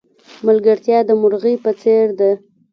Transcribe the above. ملگرتیا د مرغی په څېر ده.